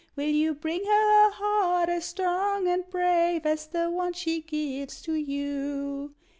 Will you bring her a heart as strong and brave As the one she gives to you?